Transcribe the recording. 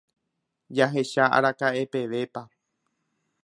Jahecha araka'epevépa.